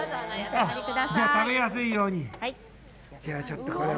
じゃあ食べやすいように。